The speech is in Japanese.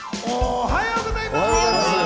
おはようございます！